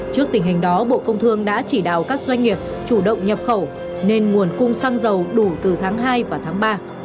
trước tình hình đó bộ công thương đã chỉ đạo các doanh nghiệp chủ động nhập khẩu nên nguồn cung xăng dầu đủ từ tháng hai và tháng ba